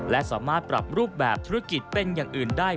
และสามารถปรับรูปแบบธุรกิจเป็นอย่างอื่นได้